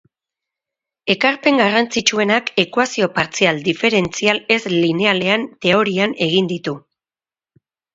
Ekarpen garrantzitsuenak ekuazio partzial diferentzial ez-linealen teorian egin ditu.